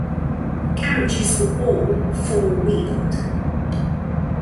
Carriages were all four-wheeled.